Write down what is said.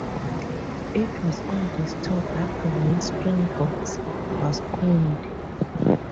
It was on this tour that the name 'Springboks' was coined.